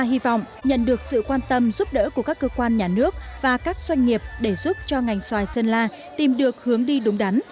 hy vọng nhận được sự quan tâm giúp đỡ của các cơ quan nhà nước và các doanh nghiệp để giúp cho ngành xoài sơn la tìm được hướng đi đúng đắn